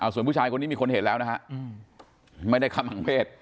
ส่วนผู้ชายคนนี้มีคนเห็นแล้วนะฮะไม่ได้คำหังเพศ